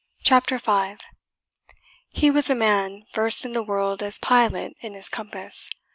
CHAPTER V. He was a man Versed in the world as pilot in his compass.